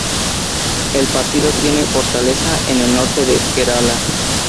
El partido tiene fortaleza en el norte de Kerala.